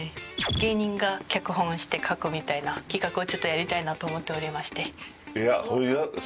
芸人が脚本して書くみたいな企画をちょっとやりたいなと思っておりまして。